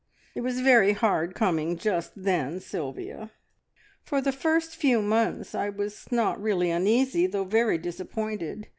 It was very hard coming just then, Sylvia! "For the first few months I was not really uneasy, though very disappointed.